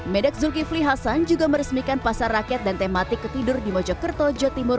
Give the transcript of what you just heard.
medak zulkifli hasan juga meresmikan pasar rakyat dan tematik ketidur di mojokerto jawa timur